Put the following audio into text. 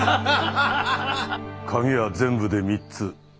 鍵は全部で３つ。